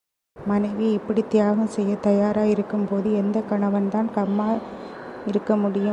மனைவி இப்படித் தியாகம் செய்யத் தயாரா இருக்கும்போது எந்தக் கணவன்தான் கம்மா இருக்க முடியும்?